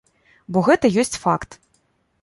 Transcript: Бо гэта ёсць факт.